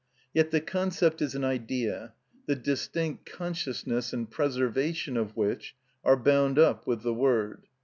Yet the concept is an idea, the distinct consciousness and preservation of which are bound up with the word.